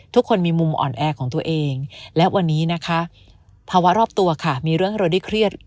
ทุกคนมีมุมอ่อนแอของตัวเองและวันนี้นะคะภาวะรอบตัวค่ะมีเรื่องให้เราได้เครียด